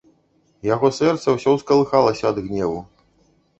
Яго сэрца ўсё ўскалыхалася ад гневу.